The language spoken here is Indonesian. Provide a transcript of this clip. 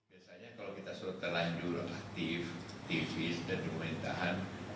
biasanya kalau kita seperti terlanjur dari darek aktivist dan pemerintahan